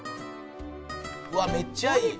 「うわっめっちゃいい」